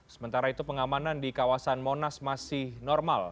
sementara itu pengamanan di kawasan monas masih normal